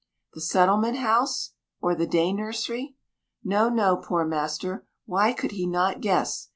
"The settlement house, or the day nursery?" No, no, poor master why could he not guess.